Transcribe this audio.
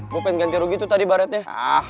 gue pengen ganti rugi tuh tadi ibaratnya